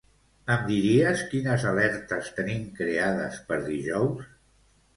Em diries quines alertes tenim creades per dijous?